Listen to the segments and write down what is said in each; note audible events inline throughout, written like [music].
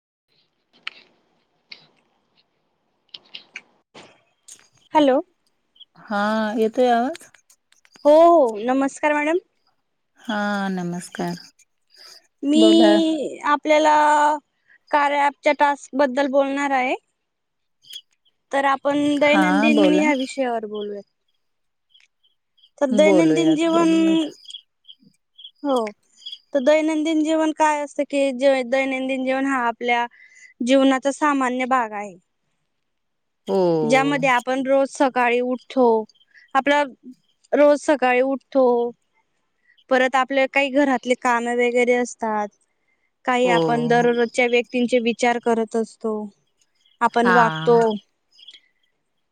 [inaudible] Hello. हा येतोय आवाज. हो नमस्कार मॅडम. हा नमस्कार. मी बोला आप आपल्याला कार्या ॲपच्या टास्क बद्दल बोलणार आहे. तर आपण हा दैनंदिन बोला या विषयावर बोलूयात. तर दैनंदिन बोलूयात जीवन. बोलूयात हो. तर दैनंदिन जीवन काय असतं कि, जे दैनंदिन जीवन हा आपल्या. जीवनाचा सामान्य भाग आहे. हो ज्यामध्ये आपण रोज स सकाळी उठतो आपला रोज सकाळी उठतो. परत आपले काही घरातले कामे वगैरे असतात. काही हो आपण दररोजच्या व्यक्तींचे विचार करत असतो. आपण हा वागतो.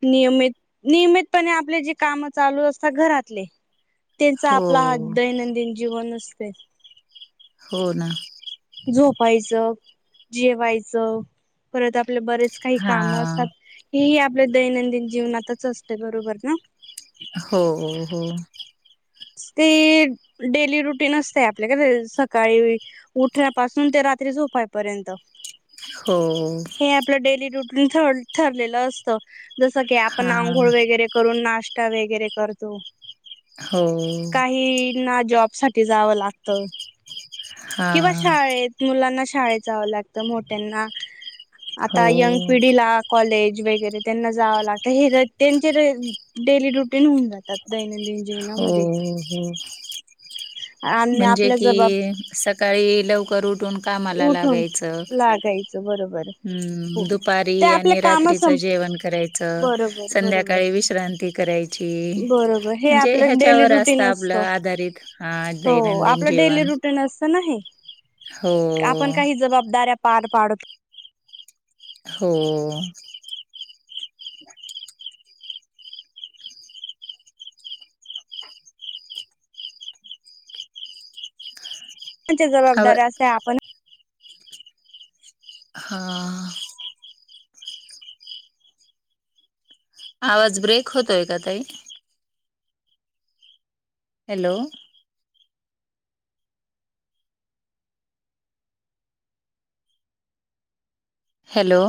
नियमित नियमितपणे आपले जे काम चालू असतात घरातले. त्यांचा हो आपला हा दैनंदिन जीवन असते. हो ना. झोपायचं जेवायचं परत आप आपले बरेच काही हा काम असतात हे ह आपले दैनंदिन जीवनातच असते बरोबर ना. हो हो हो. ते डेली रुटीन असते आपल्या कनाय सकाळी उठण्या पासून ते रा रात्री झोपाईपर्यंत. हो हे आपलं डेली रुटीन ठ ठरलेलं असत. जसं की, आपण हा आंघोळ वगैरे करून नाश्ता वगैरे करतो हो काही ना जॉब साठी जावं लागत. हा किंवा शाळेत मुलांना शी शाळेत जावं लागत मोठ्यांना हो आता यंग. पिढीला कॉलेज. वगैरे त्यांना जावं लागतं ही र त्यांची डेली रुटीन होऊन जातात दैनंदिननि. हो हो. आणि म्हणजे आपल्या जबाब कि, सकाळी लवकर उठून. कामाला उठून लागायचं. लागायचं बरोबर हो हम्म दुपारी ते आपल्या आणि काम रात्रीचं सं जेवण करायचं बरोबर बरोबर संध्याकाळी विश्रांती. करायची बरोबर हे म्हणजे आपलं डेली हच्यावर अस रुटीन आप असतं आधिरी हो दैनंदिन आपलं जीवन. डेली रुटीन असत ना हे. हो आपण काही जबाबदाऱ्या पार पाडतो. हो. च्या आवा जबाबदार्या असे आपण. हा. आवाज ब्रेक होतोय का तई. हॅलो. हॅलो.